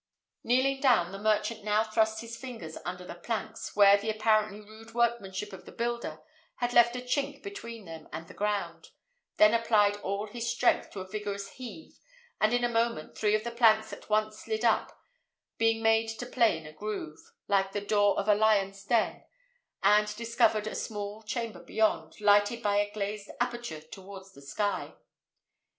Kneeling down, the merchant now thrust his fingers under the planks, where the apparently rude workmanship of the builder had left a chink between them and the ground, then applied all his strength to a vigorous heave, and in a moment three of the planks at once slid up, being made to play in a groove, like the door of a lion's den, and discovered a small chamber beyond, lighted by a glazed aperture towards the sky.